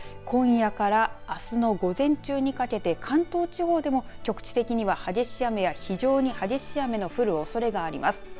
今夜からあすの午前中にかけて関東地方でも局地的に激しい雨や非常に激しい雨の降るおそれがあります。